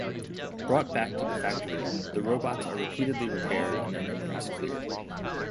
Brought back to the factory the robots are repeatedly repaired and their memories cleared.